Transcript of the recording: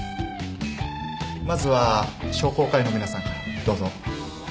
まずは商工会の皆さんからどうぞ。